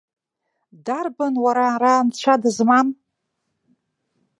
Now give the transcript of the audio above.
Дарбан, уара, ара нцәа дызмам?